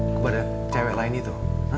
kebada cewek lain itu